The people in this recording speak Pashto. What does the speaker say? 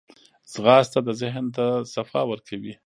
ځغاسته د ذهن ته صفا ورکوي